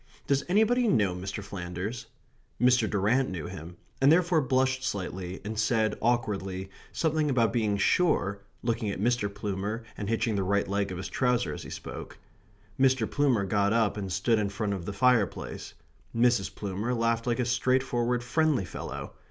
"Does anybody know Mr. Flanders?" Mr. Durrant knew him; and therefore blushed slightly, and said, awkwardly, something about being sure looking at Mr. Plumer and hitching the right leg of his trouser as he spoke. Mr. Plumer got up and stood in front of the fireplace. Mrs. Plumer laughed like a straightforward friendly fellow.